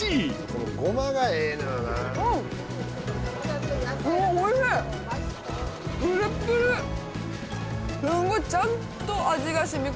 すごいちゃんと味が染み込んでます中まで。